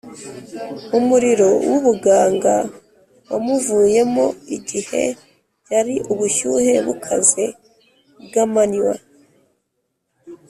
Umuriro w’ubuganga wamuvuyemo igihe hari ubushyuhe bukaze bw’amanywa